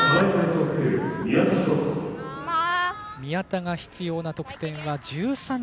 宮田が必要な得点は１３．９６６。